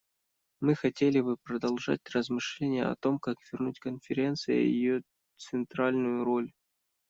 Мы хотели бы продолжать размышления о том, как вернуть Конференции ее центральную роль.